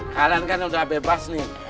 kalian kan udah bebas nih